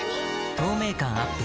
透明感アップ